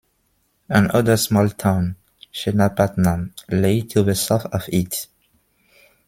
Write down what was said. Another small town, "Chennapatnam", lay to the south of it.